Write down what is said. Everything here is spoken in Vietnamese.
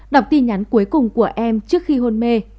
đọc tin nhắn cuối cùng của em trước khi hôn mê